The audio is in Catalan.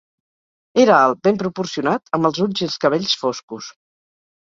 Era alt, ben proporcionat, amb els ulls i els cabells foscos.